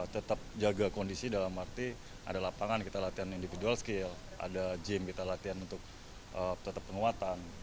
tetap jaga kondisi dalam arti ada lapangan kita latihan individual skill ada gym kita latihan untuk tetap penguatan